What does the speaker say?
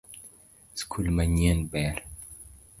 Skul manyien ber